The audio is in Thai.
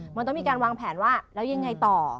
มันต้องมีการวางแผนว่าแล้วยังไงต่อ